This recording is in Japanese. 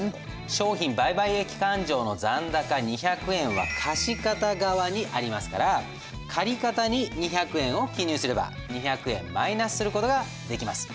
商品売買益勘定の残高２００円は貸方側にありますから借方に２００円を記入すれば２００円マイナスする事ができます。